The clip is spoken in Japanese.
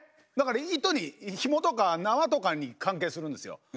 だから糸にひもとか縄とかに関係するんですよ。